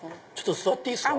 座っていいですか？